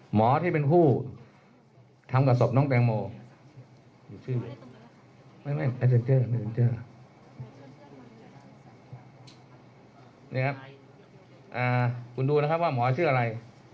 หมอที่เป็นผู้ทำกับศพน้องแตงโมคุณดูนะครับว่าหมอชื่ออะไร